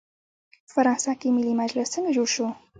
په فرانسه کې ملي مجلس څنګه جوړ شو؟